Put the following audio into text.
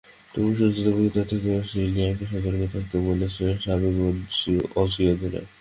তবুও সঞ্চিত অভিজ্ঞতা থেকেই অস্ট্রেলিয়াকে সতর্ক থাকতে বলছেন সাবেক অসি অধিনায়ক।